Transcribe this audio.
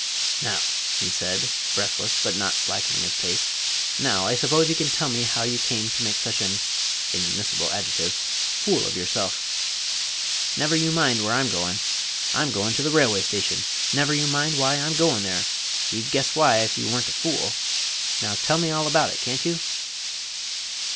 "Now," he said, breathless, but not slackening his pace, "now I suppose you can tell me how you come to make such an" inadmissible adjective "fool of yourself? Never you mind where I'm goin'. I'm goin' to the railway station. Never you mind why I'm goin' there. You'd guess why if you were n't a fool. Now tell me all about it, can't you?"